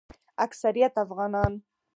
اکثریت افغانان